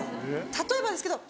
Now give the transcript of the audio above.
例えばですけど